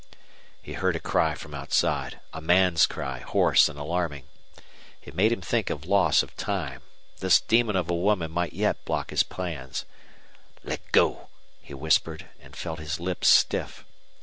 He heard a cry from outside a man's cry, hoarse and alarming. It made him think of loss of time. This demon of a woman might yet block his plan. "Let go!" he whispered, and felt his lips stiff.